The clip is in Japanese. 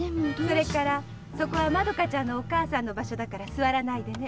それからそこはマドカちゃんのお母さんの場所だから座らないでね。